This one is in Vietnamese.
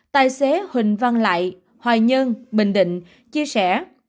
tài xế huỳnh văn lại hoài nhơn bình định chia sẻ